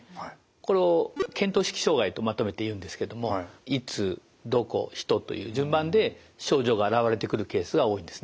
これを見当識障害とまとめていうんですけどもいつどこ人という順番で症状が現れてくるケースが多いんですね。